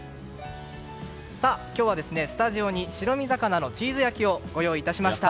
今日はスタジオに白身魚のチーズ焼きをご用意いたしました。